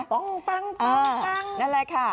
เปร้งเปล้งเปล้งนั่นแล้วแค่